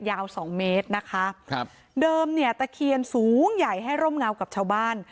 ยาวสองเมตรนะคะครับเดิมเนี่ยตะเคียนสูงใหญ่ให้ร่มเงากับชาวบ้าน